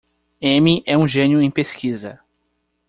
Amy é um gênio em pesquisa.